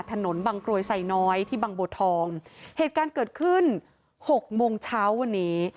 บังกรวยไซน้อยที่บางบัวทองเหตุการณ์เกิดขึ้นหกโมงเช้าวันนี้